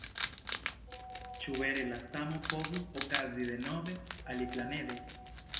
Ĉu vere la samo povus okazi denove, aliplanede?